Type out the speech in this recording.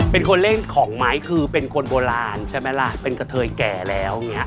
เป็นคนเล่นของไม้คือเป็นคนโบราณใช่ไหมล่ะเป็นกะเทยแก่แล้วอย่างนี้